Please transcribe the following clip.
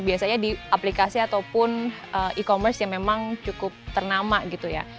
biasanya di aplikasi ataupun e commerce yang memang cukup ternama gitu ya